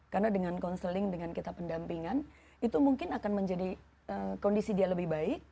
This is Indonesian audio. karena dengan counseling dengan kita pendampingan itu mungkin akan menjadi kondisi dia lebih baik